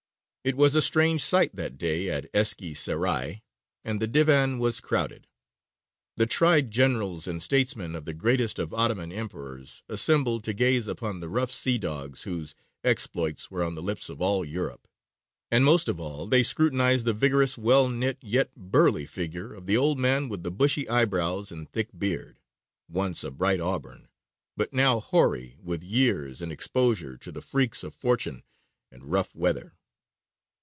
It was a strange sight that day at Eski Serai, and the divan was crowded. The tried generals and statesmen of the greatest of Ottoman emperors assembled to gaze upon the rough sea dogs whose exploits were on the lips of all Europe; and most of all they scrutinized the vigorous well knit yet burly figure of the old man with the bushy eyebrows and thick beard, once a bright auburn, but now hoary with years and exposure to the freaks of fortune and rough weather.